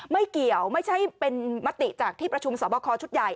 ไม่เกี่ยวไม่ใช่เป็นมติจากที่ประชุมสอบคอชุดใหญ่